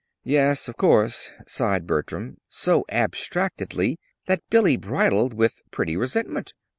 "Yes, of course," sighed Bertram, so abstractedly that Billy bridled with pretty resentment.